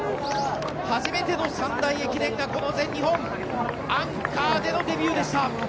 初めての三大駅伝がこの全日本アンカーでのデビューでした。